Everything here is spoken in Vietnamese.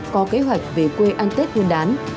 có kế hoạch về quê ăn tết nguyên đán